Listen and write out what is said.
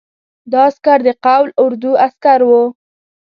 دا عسکر د قول اردو عسکر وو.